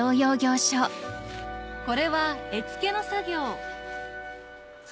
これは絵付けの作業